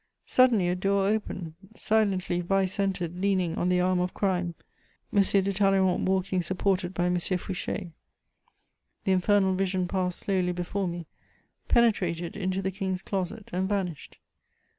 Suddenly, a door opened: silently vice entered leaning on the arm of crime, M. de Talleyrand walking supported by M. Fouché; the infernal vision passed slowly before me, penetrated into the King's closet, and vanished.